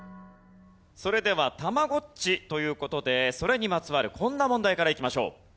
それでは『たまごっち』という事でそれにまつわるこんな問題からいきましょう。